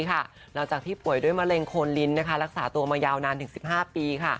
หลังจากที่ป่วยด้วยมะเร็งโคนลิ้นรักษาตัวมายาวนานถึง๑๕ปี